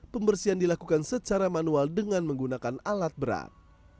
pembersihan dilakukan secara manual dengan menggunakan alat berat